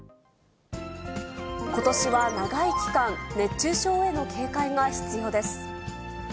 ことしは長い期間、熱中症への警戒が必要です。